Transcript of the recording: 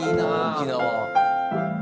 沖縄。